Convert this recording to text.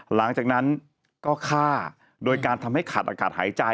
หลังจากนั้นก็ฆ่าโดยการทำให้ขาดอากาศหายใจ